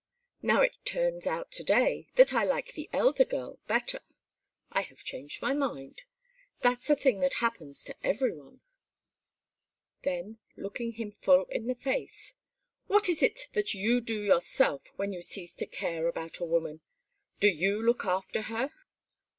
Now it turns out that to day I like the elder girl better. I have changed my mind. That's a thing that happens to everyone." Then, looking him full in the face: "What is it that you do yourself when you cease to care about a woman? Do you look after her?"